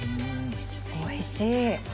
おいしい！